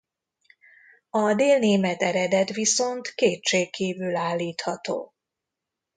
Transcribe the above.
A délnémet eredet viszont kétségkívül állítható.